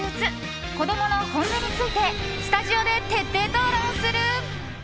子供の本音についてスタジオで徹底討論する。